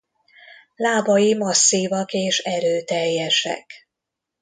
Lábai masszívak és erőteljesek.